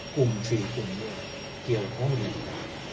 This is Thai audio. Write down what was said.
กลุ่มฝีกลุ่มเหลือเกี่ยวของนักศึกาย